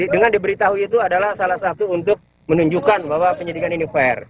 dengan diberitahu itu adalah salah satu untuk menunjukkan bahwa penyidikan ini fair